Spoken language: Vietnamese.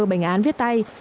bệnh án viết tay